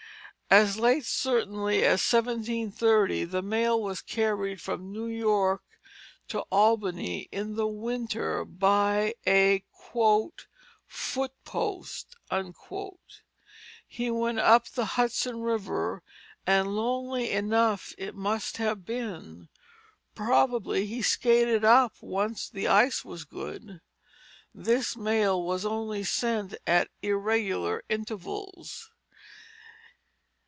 As late certainly as 1730 the mail was carried from New York to Albany in the winter by a "foot post." He went up the Hudson River, and lonely enough it must have been; probably he skated up when the ice was good. This mail was only sent at irregular intervals.